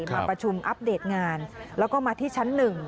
มาประชุมอัปเดตงานแล้วก็มาที่ชั้น๑